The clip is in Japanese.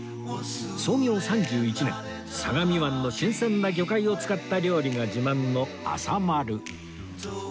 創業３１年相模湾の新鮮な魚介を使った料理が自慢のあさまる